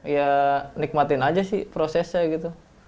ya nikmatin aja sih prosesnya gitu